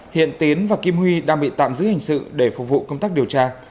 hiện tiến và kim huy đang bị tạm giữ hành sự để phục vụ công tác điều tra